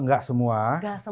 enggak semua ya